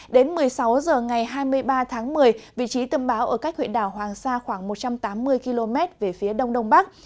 đến một mươi sáu h ngày hai mươi ba tháng một mươi vị trí tâm bão ở cách huyện đảo hoàng sa khoảng một trăm tám mươi km về phía đông đông bắc